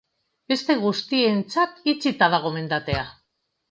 Beste guztientzat itxita dago mendatea.